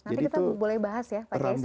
nanti kita boleh bahas ya